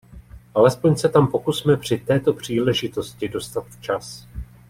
Alespoň se tam pokusme při této příležitosti dostat včas.